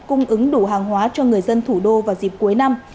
cung ứng đủ hàng hóa cho người dân thủ đô vào dịp cuối năm